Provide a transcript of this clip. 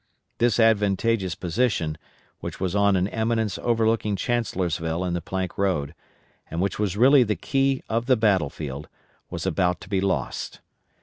This advantageous position, which was on an eminence overlooking Chancellorsville and the Plank Road, and which was really the key of the battle field, was about to be lost.